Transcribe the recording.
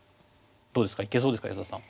どうですかいけそうですか安田さん。